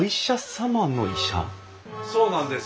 そうなんです。